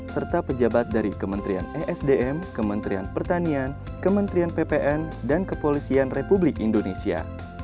serta pejabat dari kementerian esdm kementerian pertanian kementerian ppn dan kepolisian republik indonesia